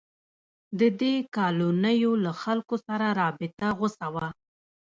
د دې کالونیو له خلکو سره رابطه غوڅه وه.